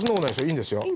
いいんですか？